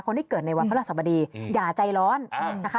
คนที่เกิดในวันพระราชสมดีอย่าใจร้อนนะคะ